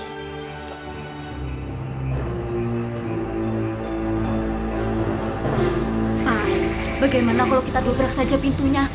nah bagaimana kalau kita dobrak saja pintunya